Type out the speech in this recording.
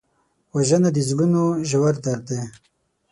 وژنه د زړونو ژور درد دی